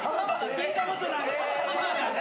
聞いたことない！